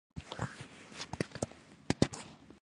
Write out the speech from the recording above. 怪奇小説の中で最も素晴らしい